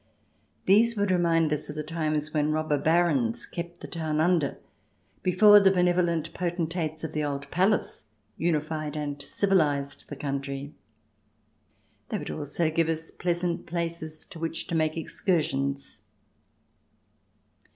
These would remind us of the times when robber Barons kept the town under, before the benevolent potentates of the old palace unified and civilized the country. They would also give us pleasant places to which to make excursions.